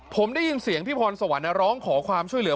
ผมได้ยินเสียงพี่พรสวรรค์ร้องขอความช่วยเหลือ